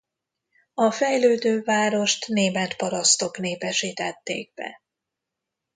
A fejlődő várost német parasztok népesítették be.